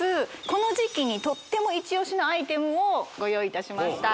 この時期にとってもイチオシのアイテムをご用意いたしました